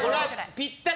ぴったり？